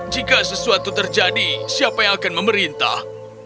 jika sesuatu terjadi siapa yang akan memerintah